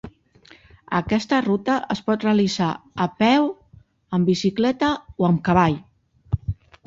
Aquesta ruta es pot realitzar a peu, amb bicicleta o amb cavall.